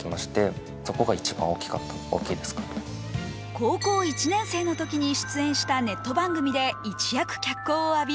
高校１年生のときに出演したネット番組で一躍脚光を浴び